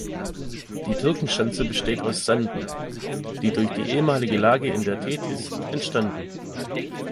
Die Türkenschanze besteht aus Sanden, die durch die ehemalige Lage in der Tethys entstanden.